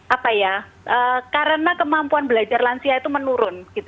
apa ya karena kemampuan belajar lansia itu menurun